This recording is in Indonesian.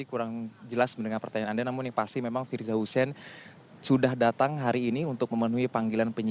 tidak kurang jelas dengan pertanyaan anda namun yang pasti memang firza husein sudah datang hari ini untuk memenuhi panggilan penyidik polda metro jaya